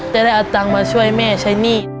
แต่ได้อัตตังมาช่วยแม่ใช้หนี้